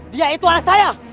dia itu anak saya